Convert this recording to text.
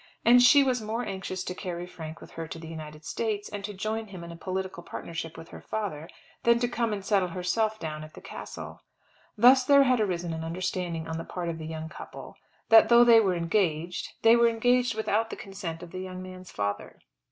And she was more anxious to carry Frank away with her to the United States, and to join him in a political partnership with her father, than to come and settle herself down at the Castle. Thus there had arisen an understanding on the part of the young people, that, though they were engaged, they were engaged without the consent of the young man's father.